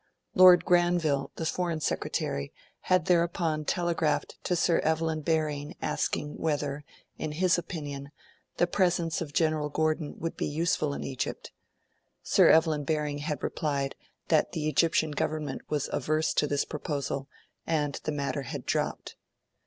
Lord Granville, the Foreign Secretary, had thereupon telegraphed to Sir Evelyn Baring asking whether, in his opinion, the presence of General Gordon would be useful in Egypt; Sir Evelyn Baring had replied that the Egyptian Government was averse to this proposal, and the matter had dropped.